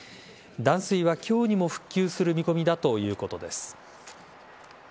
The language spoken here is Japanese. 断水は今日にも復旧する見込みだということです。